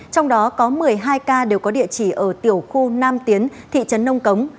trong đó có một mươi hai ca đều có địa chỉ ở tiểu khu nam tiến thị trấn nông cống